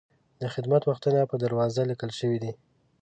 د خدمت وختونه په دروازه لیکل شوي دي.